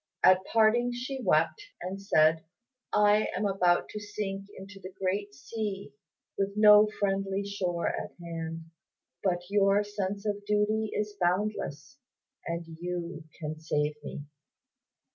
At parting she wept, and said, "I am about to sink into the great sea, with no friendly shore at hand. But your sense of duty is boundless, and you can save me.